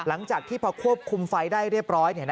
หลังจากที่พอควบคุมไฟได้เรียบร้อย